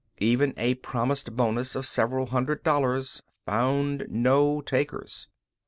Even a promised bonus of several hundred dollars found no takers.